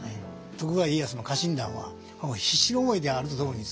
徳川家康の家臣団はもう必死の思いであるとともにですね